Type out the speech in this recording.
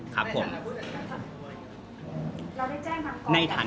และดูคิวให้น้อง